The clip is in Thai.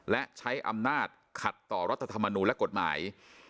และใช้อำนาจขัดต่อรัฐธรรมนูลและกฎหมาย